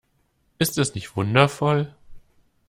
Ist es nicht wundervoll?